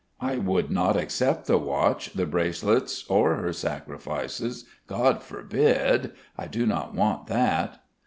I would not accept the watch, the bracelets, or her sacrifices God forbid! I do not want that.